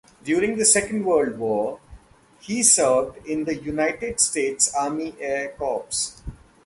During the Second World War, he served in the United States Army Air Corps.